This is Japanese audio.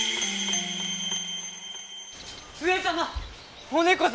・上様！